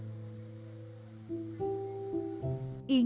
lalu kemudian kemudian